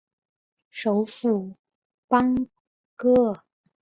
首府邦戈尔。